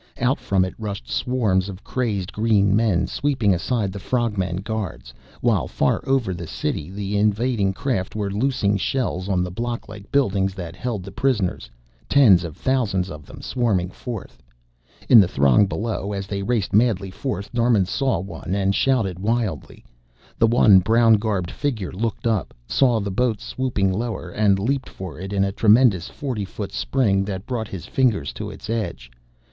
Out from it rushed swarms of crazed green men, sweeping aside the frog men guards, while far over the city the invading craft were loosing shells on the block like buildings that held the prisoners, tens of thousands of them swarming forth. In the throng below as they raced madly forth Norman saw one, and shouted wildly. The one brown garbed figure looked up, saw their boat swooping lower, and leaped for it in a tremendous forty foot spring that brought his fingers to its edge.